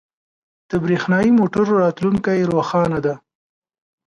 • د برېښنايی موټرو راتلونکې روښانه ده.